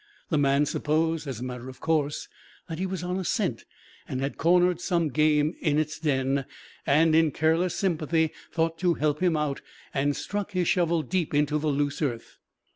The man supposed, as a matter of course, that he was on a scent and had cornered some game in its den, and in careless sympathy thought to help him out and struck his shovel deep into the loose earth.